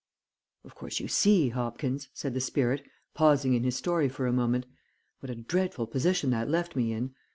"Of course you see, Hopkins," said the spirit, pausing in his story for a moment, "what a dreadful position that left me in.